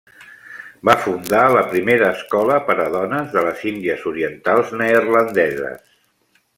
Va fundar la primera escola per a dones de les Índies Orientals Neerlandeses.